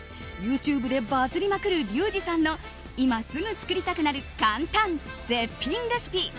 ＹｏｕＴｕｂｅでバズりまくるリュウジさんの今すぐ作りたくなる簡単絶品レシピ。